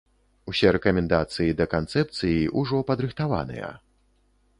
Усе рэкамендацыі да канцэпцыі ўжо падрыхтаваныя.